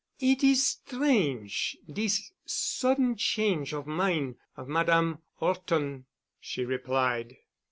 "It is strange, dis sudden change of min' of Madame 'Orton," she replied.